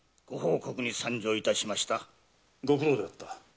ご苦労であった。